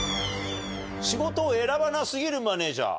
仕事を選ばな過ぎるマネジャー。